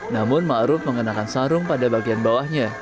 namun ma'ruf mengenakan sarung pada bagian bawahnya